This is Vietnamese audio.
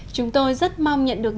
chúng tôi rất mong nhận được